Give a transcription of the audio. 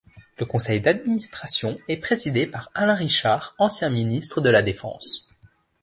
Le conseil d'administration est présidé par Alain Richard, ancien ministre de la Défense.